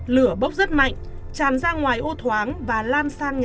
lửa bốc rất mạnh tràn ra ngoài ô thoáng và lan sang nhà